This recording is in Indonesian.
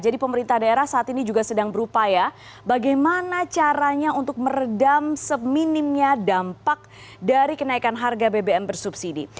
jadi pemerintah daerah saat ini juga sedang berupaya bagaimana caranya untuk meredam seminimnya dampak dari kenaikan harga bbm bersubsidi